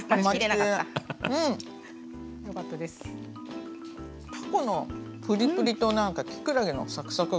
たこのプリプリときくらげのサクサク